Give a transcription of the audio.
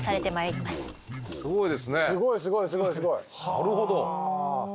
なるほど。